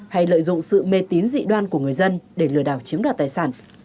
hay lợi dụng sự mê tín dị đoan của người dân để lừa đảo chiếm đoạt tài sản